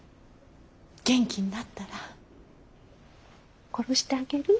元気になったら殺してあげる。